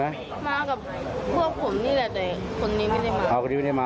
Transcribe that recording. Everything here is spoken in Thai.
มากับเพื่อผมนี่แหละแต่คนนี้ไม่ได้มา